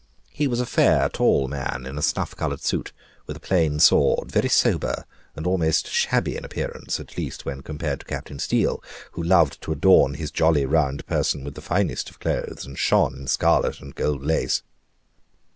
He was a fair, tall man, in a snuff colored suit, with a plain sword, very sober, and almost shabby in appearance at least when compared to Captain Steele, who loved to adorn his jolly round person with the finest of clothes, and shone in scarlet and gold lace.